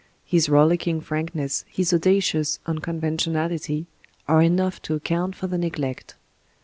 His rollicking frankness, his audacious unconventionality, are enough to account for the neglect.